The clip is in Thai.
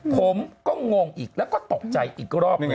ผมก็งงอีกแล้วก็ตกใจอีกรอบหนึ่ง